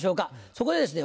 そこでですね